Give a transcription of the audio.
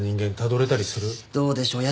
どうでしょう。